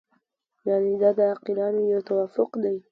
یعنې دا د عاقلانو یو توافق دی.